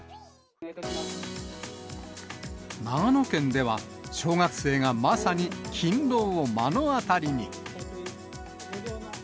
長野県では、小学生がまさに勤労を目の当たりに。